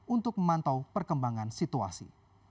untuk memantau perkembangan situasi